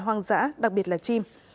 hoang dã đặc biệt là chim